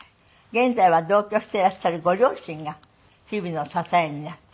現在は同居していらっしゃるご両親が日々の支えになっている。